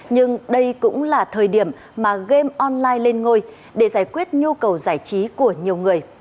nhưng đây cũng là thời điểm mà game online lên ngôi để giải quyết nhu cầu giải trí của nhiều người